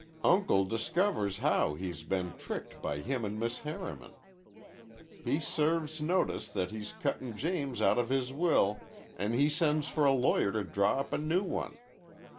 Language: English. Uncle discovers how he's been tricked by him an' Miss Harriman. He serves notice that he's cuttin' James out of his will an' he sends for a lawyer to draw up a new one.